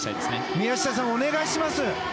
宮下さん、お願いします。